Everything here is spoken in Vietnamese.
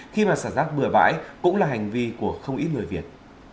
khi mà xả rác bừa bãi cũng là hành vi của không ít người việt